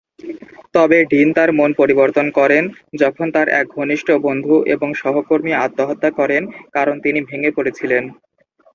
তবে ডিন তার মন পরিবর্তন করেন, যখন তার এক ঘনিষ্ঠ বন্ধু এবং সহকর্মী আত্মহত্যা করেন কারণ তিনি ভেঙে পড়েছিলেন।